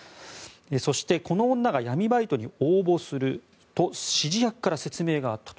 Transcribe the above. そしてこの女が闇バイトに応募すると指示役から説明があったと。